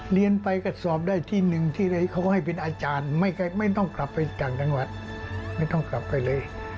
เรียนไปก็สอบได้ที่หนึ่งที่ใดเขาให้เป็นอาจารย์ไม่คล้างจังหวัดไม่ได้ต้องกลับไปเลย